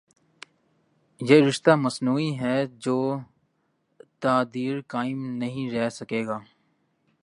یہ رشتہ مصنوعی ہے جو تا دیر قائم نہیں رہ سکے گا۔